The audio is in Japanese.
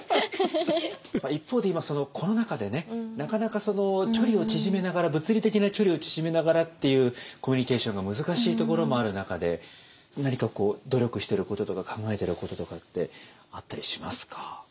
一方で今コロナ禍でなかなか距離を縮めながら物理的な距離を縮めながらっていうコミュニケーションが難しいところもある中で何か努力してることとか考えてることとかってあったりしますか？